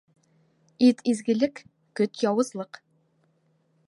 Ит изгелек - көт яуызлыҡ.